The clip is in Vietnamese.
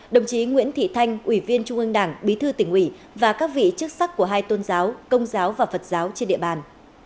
đồng chí nguyễn thị thanh ủy viên trung ương đảng bí thư tỉnh ủy và các vị chức sắc của hai tôn giáo công giáo và phật giáo trên địa bàn